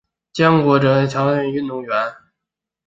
姜国哲朝鲜足球运动员。